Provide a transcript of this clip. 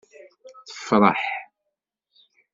Tefṛeḥ.